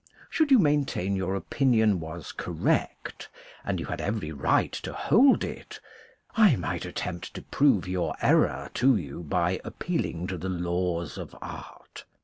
Should you maintain your opinion was correct, and you had every right to hold it, I might attempt to prove your error to you by appealing to the laws of art.